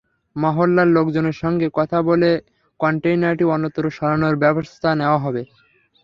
মহল্লার লোকজনের সঙ্গে কথা বলে কনটেইনারটি অন্যত্র সরানোর ব্যবস্থা নেওয়া হবে।